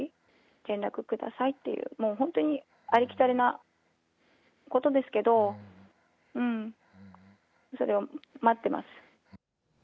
連絡くださいっていう、もう本当に、ありきたりなことですけど、それを待ってます。